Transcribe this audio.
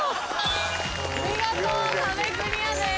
見事壁クリアです。